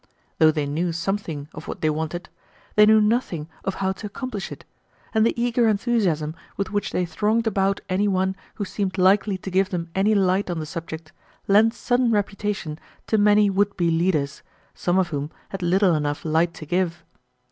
Though they knew something of what they wanted, they knew nothing of how to accomplish it, and the eager enthusiasm with which they thronged about any one who seemed likely to give them any light on the subject lent sudden reputation to many would be leaders, some of whom had little enough light to give.